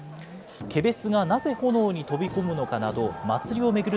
ケベスがなぜ炎に飛び込むのかなど、祭りを巡る